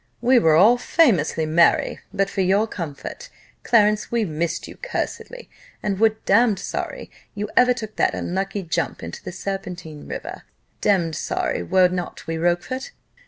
We were all famously merry; but for your comfort, Clarence, we missed you cursedly, and were damned sorry you ever took that unlucky jump into the Serpentine river damned sorry, were not we, Rochfort?"